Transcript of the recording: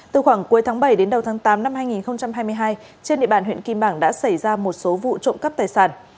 từ khoảng cuối tháng bảy đến đầu tháng tám năm hai nghìn hai mươi hai trên địa bàn huyện kim bảng đã xảy ra một số vụ trộm cắp tài sản